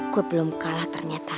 gue belum kalah ternyata